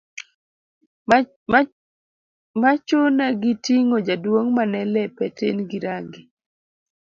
ma chune gi ting'o jaduong' mane lepe tin gi range